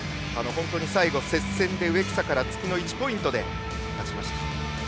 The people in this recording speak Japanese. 最後、接戦で植草から突きの１ポイントで勝ちました。